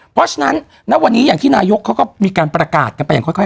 เพราะฉะนั้นณวันนี้อย่างที่นายกเขาก็มีการประกาศกันไปอย่างค่อย